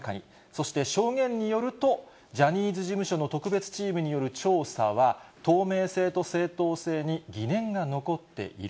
そして証言によると、ジャニーズ事務所の特別チームによる調査は、透明性と正当性に疑念が残っている。